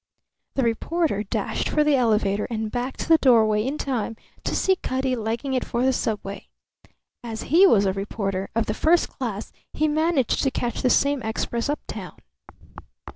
The reporter dashed for the elevator and back to the doorway in time to see Cutty legging it for the Subway. As he was a reporter of the first class he managed to catch the same express uptown.